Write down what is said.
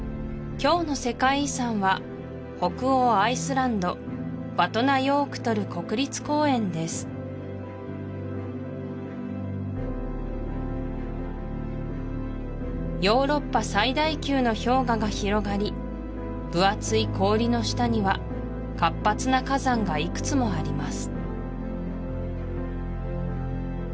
今日の世界遺産は北欧アイスランドヴァトナヨークトル国立公園ですが広がり分厚い氷の下には活発な火山がいくつもあります